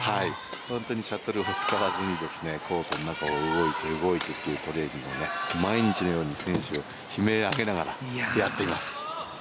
シャトルは使わずにコートの中を動いてというトレーニングをね、毎日のように選手悲鳴を上げながらやっています。